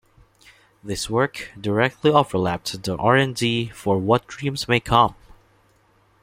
This work directly overlapped R and D for "What Dreams May Come".